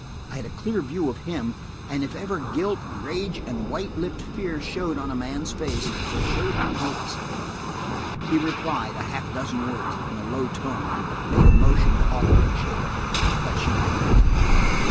I had a clear view of him, and if ever guilt, rage, and white lipped fear showed on a man's face, it showed on his. He replied–a half dozen words, in a low tone, and made a motion to offer her a chair. But she paid no attention.